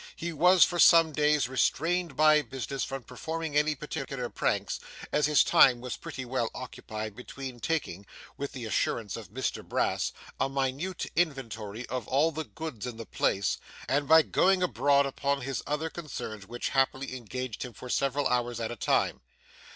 He was, for some days, restrained by business from performing any particular pranks, as his time was pretty well occupied between taking, with the assistance of Mr Brass, a minute inventory of all the goods in the place, and going abroad upon his other concerns which happily engaged him for several hours at a time.